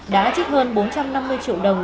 đã trích hơn bốn trăm năm mươi triệu đồng